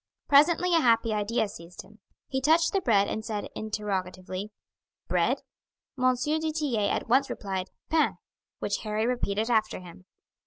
Presently a happy idea seized him; he touched the bread and said interrogatively, "Bread?" M. du Tillet at once replied "Pain," which Harry repeated after him.